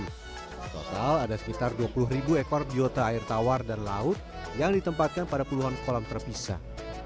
total ada sekitar dua puluh ribu ekor biota air tawar dan laut yang ditempatkan pada puluhan kolam terpisah